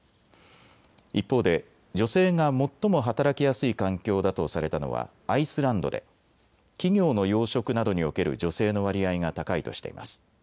一方で女性が最も働きやすい環境だとされたのはアイスランドで企業の要職などにおける女性の割合が高いとしています。